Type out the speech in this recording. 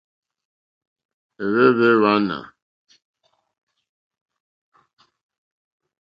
Ɛ̀hwɛ́hwɛ́ wààná.